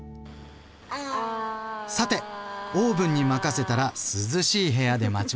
さてオーブンに任せたら涼しい部屋で待ちましょう。